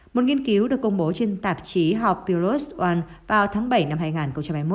một nghiên cứu được công bố trên tạp chí học virus one vào tháng bảy năm hai nghìn hai mươi một